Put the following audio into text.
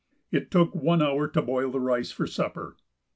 It took one hour to boil the rice for supper.